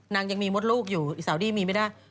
ยังมีมดลูกอยู่อีสาวดี้มีไม่ได้